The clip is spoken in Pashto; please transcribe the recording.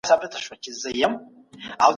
خپل ماشومان د کتاب لوستلو سره آشنا کړئ.